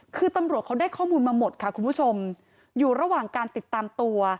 คือตำรวจเขาได้ข้อมูลมาหมดค่ะคุณผู้ชมอยู่ระหว่างการติดตามตัว